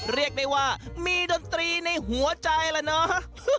เรียกได้ว่ามีดนตรีในหัวใจล่ะเนาะ